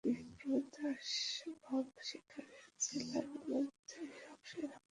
বিপ্রদাস বাঘ-শিকারে জেলার মধ্যে সব-সেরা।